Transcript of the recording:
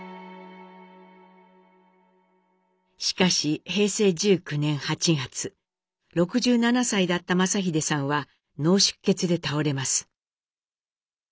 しかし６７歳だった正英さんは脳出血で倒れます。